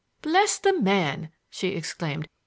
"Bless the man!" she exclaimed.